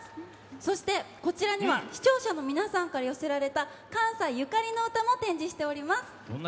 そして、こちらには視聴者の皆さんから寄せられた関西ゆかりの歌も展示しています。